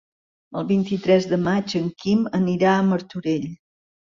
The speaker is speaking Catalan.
El vint-i-tres de maig en Quim anirà a Martorell.